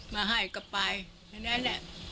มาให้ก็ไปฉะนั้น